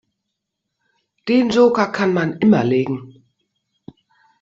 Den Joker kann man immer legen.